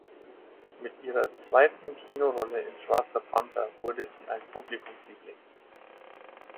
Mit ihrer zweiten Kinorolle in "Schwarze Panther" wurde sie ein Publikumsliebling.